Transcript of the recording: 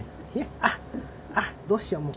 あっあっどうしようもう。